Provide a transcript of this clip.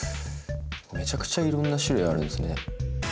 めちゃくちゃいろんな種類あるんすね。